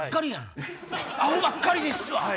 アホばっかりですわ！